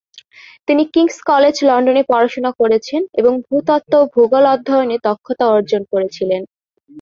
তিনি King's College লন্ডনে পড়াশোনা করেছেন, এবং ভূতত্ত্ব ও ভূগোল অধ্যয়নে দক্ষতা অর্জন করেছিলেন।